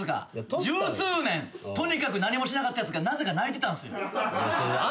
十数年とにかく何もしなかったやつがなぜか泣いてたんすよ。